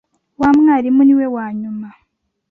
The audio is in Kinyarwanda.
Wa mwarimu niwe wanyuma.